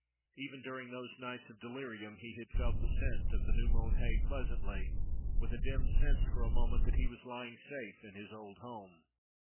Even during those nights of delirium he had felt the scent of the new mown hay pleasantly, with a dim sense for a moment that he was lying safe in his old home.